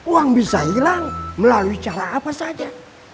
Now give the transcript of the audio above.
uang bisa hilang melalui cara apa saja